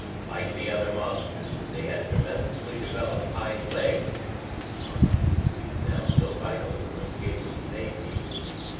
Like the other monsters, they had tremendously developed hind legs which promised the speed now so vital for escape and safety.